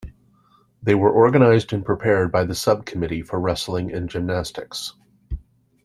They were organized and prepared by the Sub-Committee for Wrestling and Gymnastics.